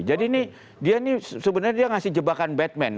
jadi ini dia ini sebenarnya dia ngasih jebakan batman